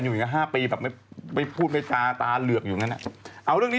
กลัวว่าผมจะต้องไปพูดให้ปากคำกับตำรวจยังไง